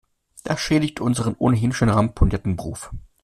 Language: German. Das schädigt unseren ohnehin schon ramponierten Ruf.